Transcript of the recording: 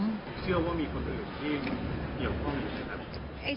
เชื่อว่ามีคนอื่นที่เกี่ยวกับพ่อมีคนอื่นนะ